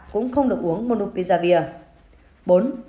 cũng không được uống bonupiravir